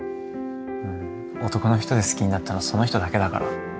男の人で好きになったのその人だけだから。